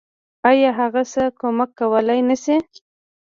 آيا هغه څه کمک کولی نشي.